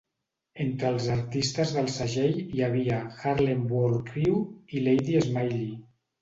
Entre els artistes del segell hi havia Harlem World Crew i Lady Smiley.